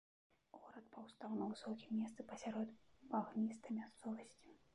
Горад паўстаў на высокім месцы пасярод багністай мясцовасці.